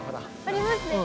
ありますね。